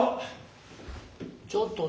ちょっと。